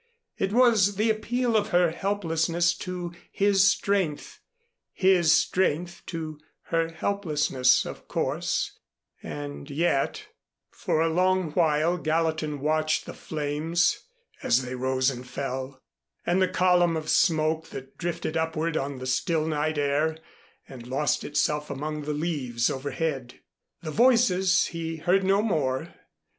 It was the appeal of her helplessness to his strength, his strength to her helplessness, of course, and yet For a long while Gallatin watched the flames as they rose and fell and the column of smoke that drifted upward on the still night air and lost itself among the leaves overhead. The voices he heard no more.